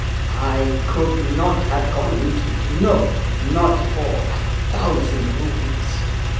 I could not have gone into it — no, not for a thousand rupees!